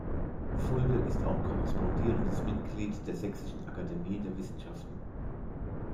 Fulde ist auch Korrespondierendes Mitglied der Sächsischen Akademie der Wissenschaften.